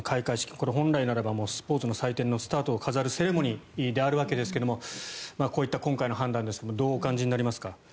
これは本来ならばスポーツの祭典のスタートを飾るセレモニーであるわけですけどこういった今回の判断ですがどうお感じになりますか？